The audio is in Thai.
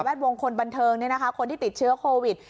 แวดวงคนบันเทิงนี่นะคะคนที่ติดเชื้อโควิด